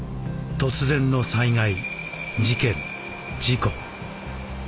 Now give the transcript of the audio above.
突然の災害事件事故。